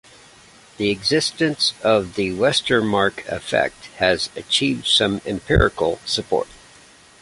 The existence of the Westermarck effect has achieved some empirical support.